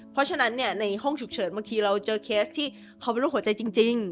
เพราะฉะนั้นในห้องฉุกเฉินบางทีเราเจอเคสที่เขาเป็นโรคหัวใจจริง